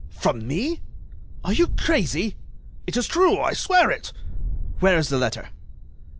"From me? Are you crazy?" "It is true—I swear it." "Where is the letter?"